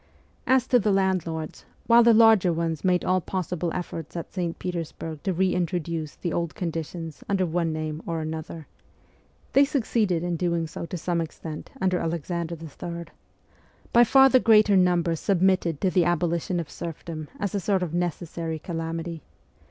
As to the landlords, while the larger ones made all possible efforts at St. Petersburg to re introduce the old conditions under one name or another (they succeeded in doing so to some extent under Alexander III.), by far the greater number submitted to the abolition of serfdom as to a sort of necessary calamity.